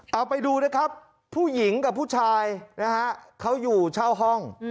เอาไปดูนะครับผู้หญิงกับผู้ชายนะฮะเขาอยู่เช่าห้อง